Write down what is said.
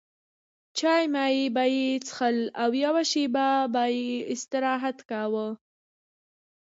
چای مای به یې څښل او یوه شېبه به یې استراحت کاوه.